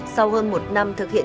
sau hơn một năm thực hiện